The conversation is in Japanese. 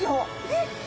えっ！？